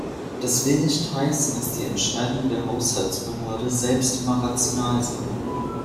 Das will nicht heißen, dass die Entscheidungen der Haushaltsbehörde selbst immer rational sind.